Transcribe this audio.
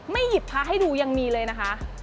หยิบพระให้ดูยังมีเลยนะคะ